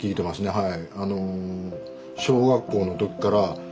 はい。